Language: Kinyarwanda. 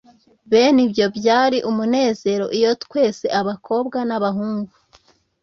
Bene ibyo, byari umunezero Iyo twese, abakobwa n'abahungu,